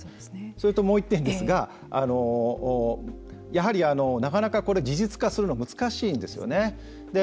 それともう一点ですがやはり、なかなかこれ事実化するのが難しいんですね。